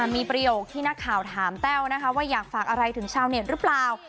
มีประโยคที่นักข่าวถามแต้วนะคะว่าอยากฝากอะไรถึงชาวเน็ตหรือเปล่า